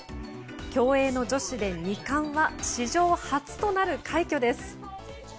競泳の女子で２冠は史上初となる快挙です。